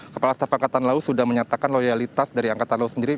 kepala staf angkatan laut sudah menyatakan loyalitas dari angkatan laut sendiri